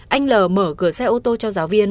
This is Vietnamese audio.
anh l mở cửa xe ô tô cho giáo viên